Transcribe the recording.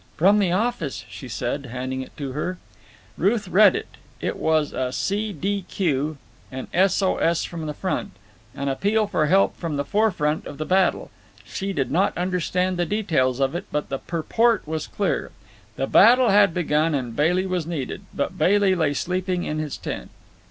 "From the office," she said, handing it to her. Ruth read it. It was a C. D. Q., an S.O.S. from the front; an appeal for help from the forefront of the battle. She did not understand the details of it, but the purport was clear. The battle had begun, and Bailey was needed. But Bailey lay sleeping in his tent.